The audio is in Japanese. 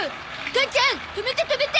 母ちゃん止めて止めて。